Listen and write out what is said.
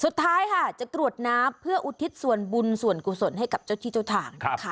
สุดท้ายจะตรวจน้ำเพื่ออุทิศส่วนบุญส่วนกุศลให้เจ้าชีเจ้าถ่าง